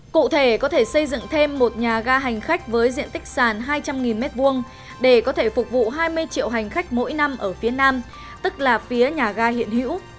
cụ thể có thể xây dựng thêm một nhà ga hành khách với diện tích sàn hai trăm linh m hai để có thể phục vụ hai mươi triệu hành khách mỗi năm ở phía nam tức là phía nhà ga hiện hữu